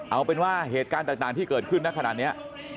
เอาเป็นว่าเหตุการณ์ต่างที่เกิดขึ้นนะขนาดนี้